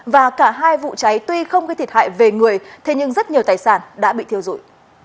và cả hai vụ cháy tuy không gây thiệt hại về người thế nhưng rất nhiều tài sản đã bị thiêu dụi